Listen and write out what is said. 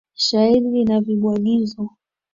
Shairi lina vibwagizo.